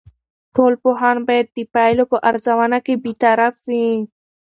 ټول پوهان باید د پایلو په ارزونه کې بیطرف وي.